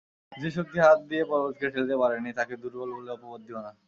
যে শক্তি হাত দিয়ে পর্বতকে ঠেলতে পারে নি তাকে দুর্বল বলে অপবাদ দিয়ো না।